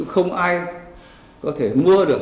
không ai có thể mua được